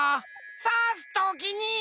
さすときに。